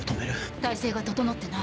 態勢が整ってない。